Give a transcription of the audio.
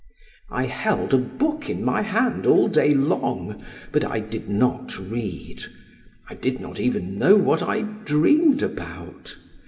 I held a book in my hand all day long but I did not read, I did not even know what I dreamed about.